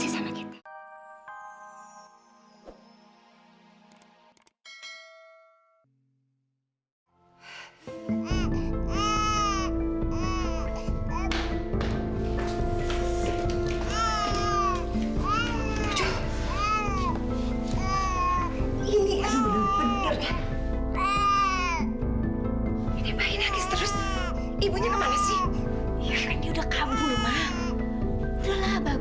sampai jumpa di video selanjutnya